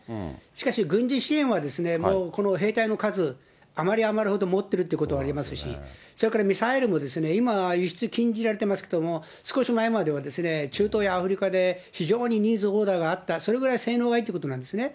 しかし軍事支援は、もうこの兵隊の数、余り余るほど持ってるということはありますし、それからミサイルも、今、輸出禁じられていますけど、少し前までは、中東やアフリカで非常にニーズ、オーダーがあった、それぐらい性能がいいということなんですね。